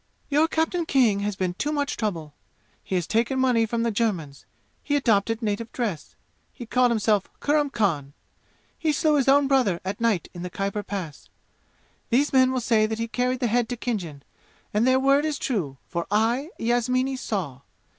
"Your Captain King has been too much trouble. He has taken money from the Germans. He adopted native dress. He called himself Kurram Khan. He slew his own brother at night in the Khyber Pass. These men will say that he carried the head to Khinjan, and their word is true, for I, Yasmini, saw.